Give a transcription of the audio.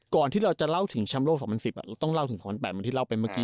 ก่อนที่เราจะเล่าถึงแชมป์โลก๒๐๑๐เราต้องเล่าถึง๒๐๐๘เหมือนที่เล่าไปเมื่อกี้